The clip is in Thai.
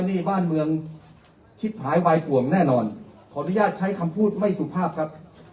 นี่บ้านเมืองชิดหายวายป่วงแน่นอนขออนุญาตใช้คำพูดไม่สุภาพครับ